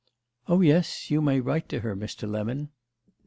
"Oh yes, you may write to her, Mr. Lemon."